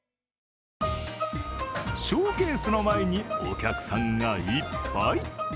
ショーケースの前にお客さんがいっぱい。